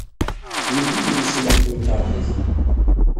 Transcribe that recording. Wi d idlisen n temkarḍit.